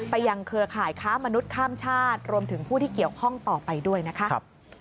ยังเครือข่ายค้ามนุษย์ข้ามชาติรวมถึงผู้ที่เกี่ยวข้องต่อไปด้วยนะคะ